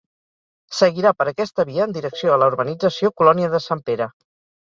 Seguirà per aquesta via en direcció a la urbanització Colònia de Sant Pere.